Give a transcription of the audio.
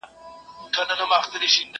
زه به اوږده موده مېوې خوړلې وم!!